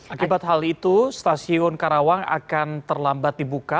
akibat hal itu stasiun karawang akan terlambat dibuka